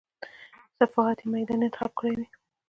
صحافتي میدان یې انتخاب کړی وي.